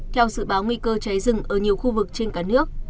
theo dự báo nguy cơ cháy rừng ở nhiều khu vực trên cả nước